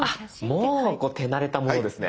あっもう手慣れたものですね。